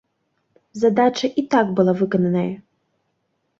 Задача і так была выкананая.